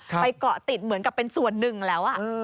เกาะติดเหมือนกับเป็นส่วนหนึ่งแล้ว